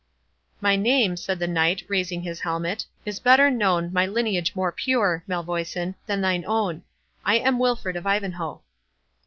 "My name," said the Knight, raising his helmet, "is better known, my lineage more pure, Malvoisin, than thine own. I am Wilfred of Ivanhoe."